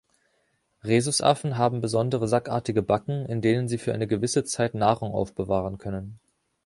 Rhesusaffen haben besondere sackartige Backen, in denen sie für eine gewisse Zeit Nahrung aufbewahren können.